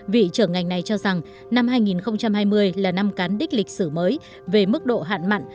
vị trưởng ngành này cho rằng năm hai nghìn hai mươi là năm cán đích lịch sử mới về mức độ hạn mặn